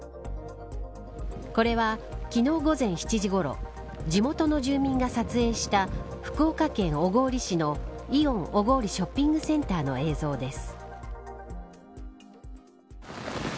これは、昨日午前７時ごろ地元の住民が撮影した福岡県小郡市のイオン小郡ショッピングセンターの映像です。